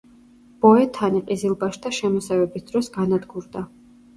ბოეთანი ყიზილბაშთა შემოსევების დროს განადგურდა.